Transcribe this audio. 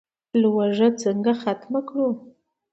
لوږه څنګه ختمه کړو؟